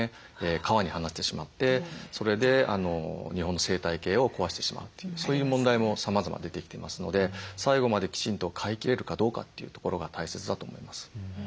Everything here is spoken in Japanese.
川に放してしまってそれで日本の生態系を壊してしまうというそういう問題もさまざま出てきていますので最後まできちんと飼いきれるかどうかというところが大切だと思います。